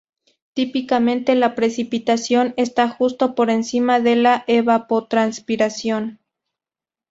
Típicamente, la precipitación está justo por encima de la evapotranspiración.